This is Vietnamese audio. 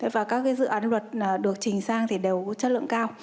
và các dự án luật được trình sang thì đều có chất lượng cao